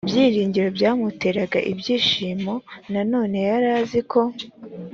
byiringiro byamuteraga ibyishimo nanone yari azi ko